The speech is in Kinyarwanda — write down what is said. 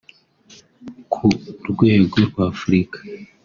Ku rwgo rw’Afurika